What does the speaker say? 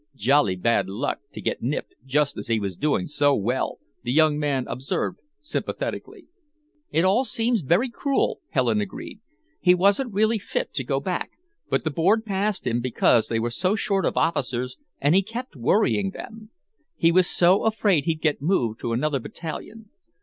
"Jolly bad luck to get nipped just as he was doing so well," the young man observed sympathetically. "It all seems very cruel," Helen agreed. "He wasn't really fit to go back, but the Board passed him because they were so short of officers and he kept worrying them. He was so afraid he'd get moved to another battalion.